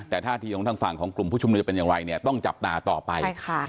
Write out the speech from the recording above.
แต่ท่าทีของทางฝั่งของกลุ่มผู้ชุมนุมจะเป็นอย่างไรเนี่ยต้องจับตาต่อไป